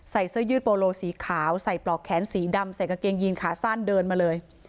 เสื้อยืดโปโลสีขาวใส่ปลอกแขนสีดำใส่กางเกงยีนขาสั้นเดินมาเลย